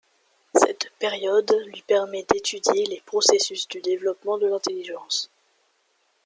Cette période lui permet d'étudier les processus du développement de l'intelligence.